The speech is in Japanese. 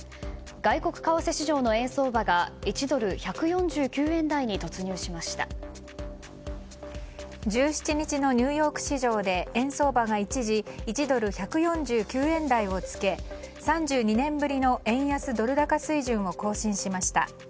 外国為替市場の円相場が１ドル＝１４９円台に１７日のニューヨーク市場で円相場が一時、１ドル＝１４９円台をつけ３２年ぶりの円安ドル高水準を更新しました。